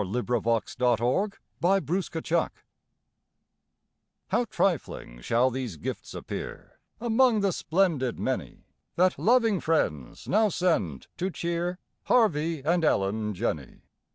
WITH TWO SPOONS FOR TWO SPOONS How trifling shall these gifts appear Among the splendid many That loving friends now send to cheer Harvey and Ellen Jenney.